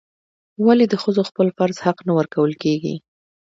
ولې د ښځو خپل فرض حق نه ورکول کیږي؟